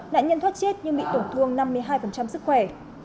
nạn nhân thoát chết nhưng bị tổn thương năm mươi hai sức khỏe